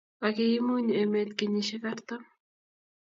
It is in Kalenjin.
Ak kiimuny emet kenyiisyek artam.